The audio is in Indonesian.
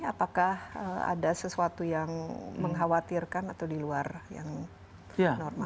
apakah ada sesuatu yang mengkhawatirkan atau di luar yang normal